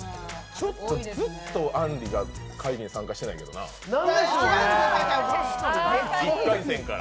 ずっとあんりが会議に参加してないけどな、１回戦から。